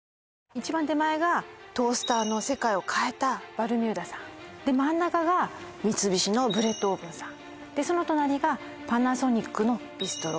一番手前がトースターの世界を変えたバルミューダさんで真ん中が三菱のブレッドオーブンさんでその隣がパナソニックのビストロ